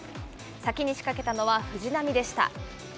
先に仕掛けたのは藤波でした。